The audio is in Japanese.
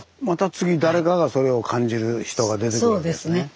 また次誰かがそれを感じる人が出てくるんですね。